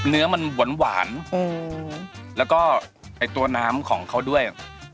เนื้อมันหวานแล้วก็ไอ้ตัวน้ำของเขาด้วย